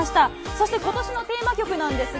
そしてことしのテーマ曲なんですが、